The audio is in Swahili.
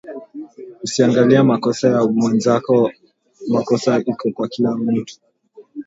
Usiangalie makosa ya mwenzako makosa iko na kila mutu